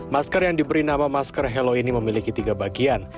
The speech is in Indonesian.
masker yang diberi nama masker hello ini memiliki tiga bagian